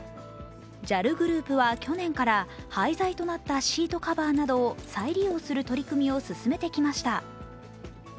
ＪＡＬグループは去年から廃材となったシートカバーなどを再利用する取り組みを進めてきました。